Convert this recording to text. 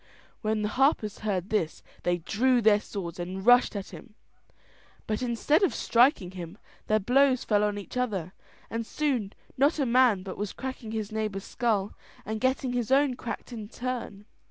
When the harpers heard this, they drew their swords and rushed at him, but instead of striking him, their blows fell on each other, and soon not a man but was cracking his neighbour's skull and getting his own cracked in turn.